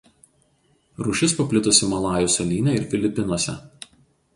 Rūšis paplitusi Malajų salyne ir Filipinuose.